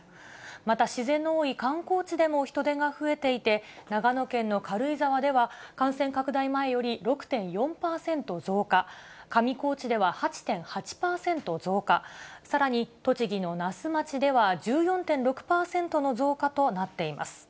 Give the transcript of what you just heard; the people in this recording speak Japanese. また自然の多い観光地でも人出が増えていて、長野県の軽井沢では、感染拡大前より６．４％増加、上高地では８．８％増加、さらに、栃木の那須町では１４．６％の増加となっています。